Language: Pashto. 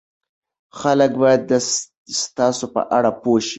خلک باید ستاسو په اړه پوه شي.